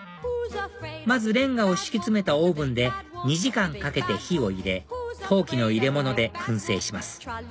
まずレンガを敷き詰めたオーブンで２時間かけて火を入れ陶器の入れ物で燻製します